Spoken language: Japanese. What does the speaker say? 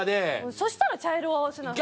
そしたら茶色は合わせない方が。